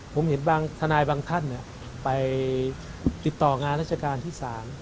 ผมเห็นบางทนายบางท่านไปติดต่องานราชการที่๓